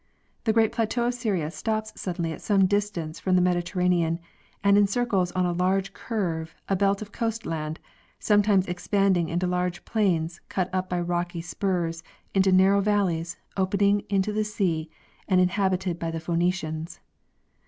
The great plateau of Syria stops suddenly at some distance from the Mediterranean and encircles on a large curve a belt of coast land, sometimes expanding into large plains cut up by rocky spurs into narrow valleys opening into the sea and in habited by the Phenecians.